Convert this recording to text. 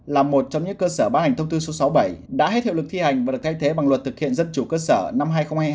là một trong những cơ sở bá hành thông tư số sáu mươi bảy đã hết hiệu lực thi hành và được thay thế bằng luật thực hiện dân chủ cơ sở năm hai nghìn hai mươi hai